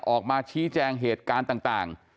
ออกมาชี้แจงเหตุการณ์ต่าง